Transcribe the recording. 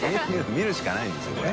見るしかないんですよこれ。